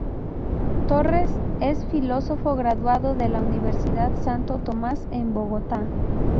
Torres es filósofo graduado de la Universidad Santo Tomás en Bogotá.